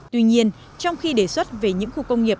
tuy nhiên trong khi đề xuất về những khu công nghiệp